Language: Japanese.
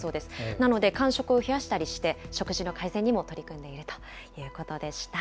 なので、間食を増やしたりして、食事の改善にも取り組んでいるということでした。